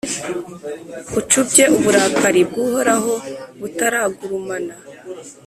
ucubye uburakari bw’Uhoraho butaragurumana,